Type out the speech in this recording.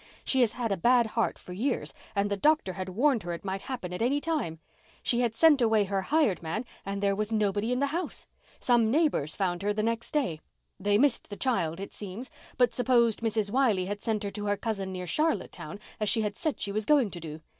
She has had a bad heart for years and the doctor had warned her it might happen at any time. She had sent away her hired man and there was nobody in the house. Some neighbours found her the next day. They missed the child, it seems, but supposed Mrs. Wiley had sent her to her cousin near Charlottetown as she had said she was going to do.